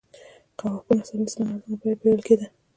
قهوه په نهه څلوېښت سلنه ارزانه بیه پېرل کېده.